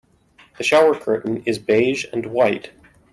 The shower curtain is beige and white.